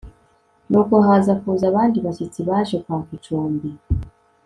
Nuko haza kuza abandi bashyitsi baje kwaka icumbi